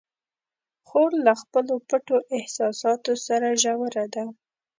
خور له خپلو پټو احساساتو سره ژوره ده.